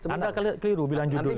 anda keliru bilang judul itu